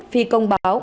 phi công báo